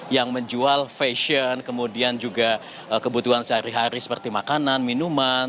yang menjual fashion kemudian juga kebutuhan sehari hari seperti makanan minuman